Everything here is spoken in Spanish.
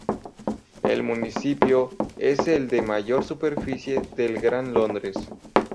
El municipio es el de mayor superficie del Gran Londres.